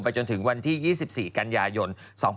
จนถึงวันที่๒๔กันยายน๒๕๖๒